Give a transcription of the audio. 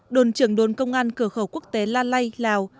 đồn trưởng đồn công an cửa khẩu quốc tế la lây lào